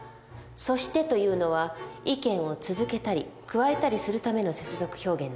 「そして」というのは意見を続けたり加えたりするための接続表現なの。